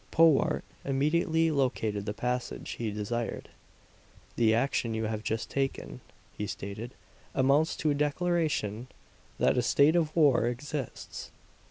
Powart immediately located the passage he desired. "The action you have just taken," he stated, "amounts to a declaration that a state of war exists.